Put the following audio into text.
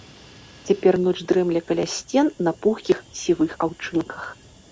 Цяпер ноч дрэмле каля сцен на пухкіх сівых аўчынках.